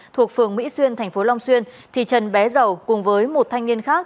thuộc phường mỹ xuyên tp long xuyên thì trần bé giàu cùng với một thanh niên khác